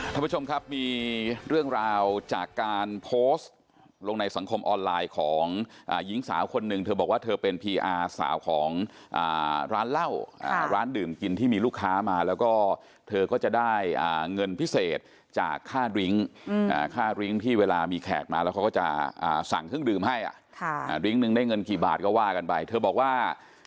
ท่านผู้ชมครับมีเรื่องราวจากการโพสต์ลงในสังคมออนไลน์ของหญิงสาวคนหนึ่งเธอบอกว่าเธอเป็นพีอาสาวของร้านเหล้าร้านดื่มกินที่มีลูกค้ามาแล้วก็เธอก็จะได้เงินพิเศษจากค่าดริ้งค่าริ้งที่เวลามีแขกมาแล้วเขาก็จะสั่งเครื่องดื่มให้ริ้งหนึ่งได้เงินกี่บาทก็ว่ากันไปเธอบอกว่า